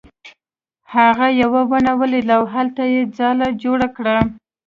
هغه یوه ونه ولیده او هلته یې ځاله جوړه کړه.